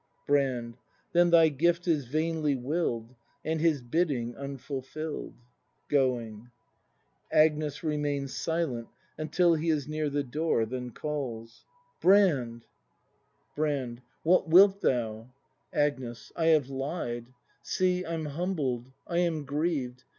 Brand. Then thy gift is vainly will'd And Ilis bidding unfulfill'd. [Going. Agnes. [Remains silent until he is near the door, tlien calls.] Brand! <u u ^ 73 > ACT IV] BRAND 207 Brand. What wilt thou ? Agnes. I have lied — See, I'm humbled, I am grieved.